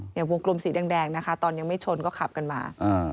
อย่างวงกลมสีแดงนะคะตอนยังไม่ชนก็ขับกันมา